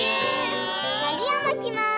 のりをまきます。